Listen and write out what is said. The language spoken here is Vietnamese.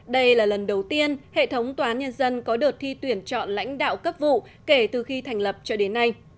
đây là lần đầu tiên hệ thống tòa án nhân dân có đợt thi tuyển chọn lãnh đạo cấp vụ kể từ khi thành lập cho đến nay